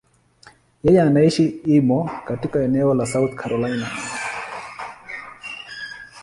Yeye anaishi Irmo, katika eneo la South Carolina.